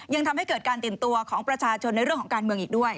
ยังทำให้เกิดการตื่นตัวของประชาชนในเรื่องของการเมืองอีกด้วย